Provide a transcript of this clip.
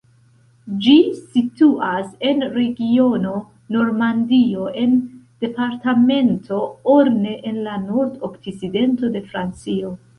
Ĝi situas en regiono Normandio en departemento Orne en la nord-okcidento de Francio.